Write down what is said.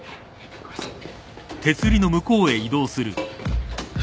ごめんなさい。